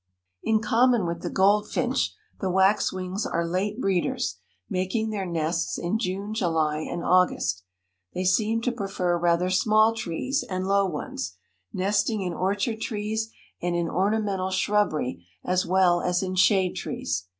In common with the goldfinch, the waxwings are late breeders, making their nests in June, July, and August. They seem to prefer rather small trees and low ones, nesting in orchard trees and in ornamental shrubbery as well as in shade trees.